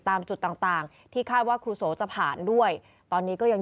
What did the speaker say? ตามจุดต่างต่างที่คาดว่าครูโสจะผ่านด้วยตอนนี้ก็ยัง